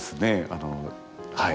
あのはい。